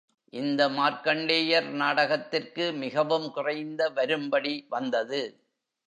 இந்த மார்க்கண்டேயர் நாடகத்திற்கு மிகவும் குறைந்த வரும்படி வந்தது.